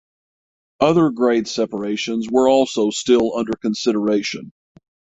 Other grade separations were also still under consideration.